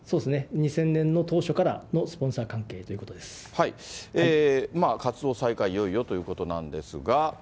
２０００年の当初からのスポンサー関係というこ活動再開、いよいよということなんですが。